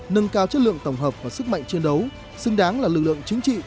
nâng cao chất lượng tổng hợp và sức mạnh chiến đấu xứng đáng là lực lượng chính trị